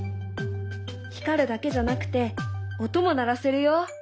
光るだけじゃなくて音も鳴らせるよ。